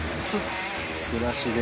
ブラシで。